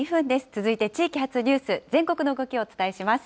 続いて地域発ニュース、全国の動きをお伝えします。